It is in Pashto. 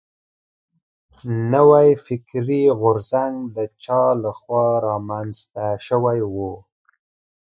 نوی فکري غورځنګ د چا له خوا را منځ ته شوی و.